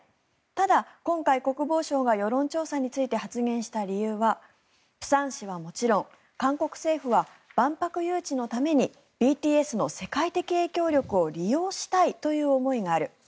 ただ、今回、国防相が世論調査について発言した理由は釜山市はもちろん韓国政府は万博誘致のためにＢＴＳの世界的影響力を利用したいという思いがある。